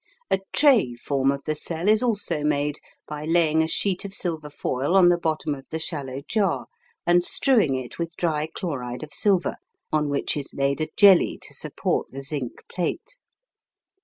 A tray form of the cell is also made by laying a sheet of silver foil on the bottom of the shallow jar, and strewing it with dry chloride of silver, on which is laid a jelly to support the zinc plate.